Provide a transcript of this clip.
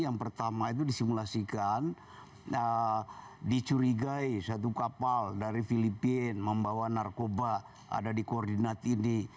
yang pertama itu disimulasikan dicurigai satu kapal dari filipina membawa narkoba ada di koordinat ini